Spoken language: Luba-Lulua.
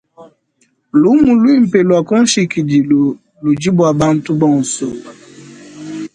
Lumu luimpe lua kunshikidilu ludi bua bantu bonso.